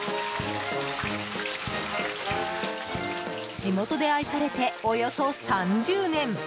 地元で愛されて、およそ３０年。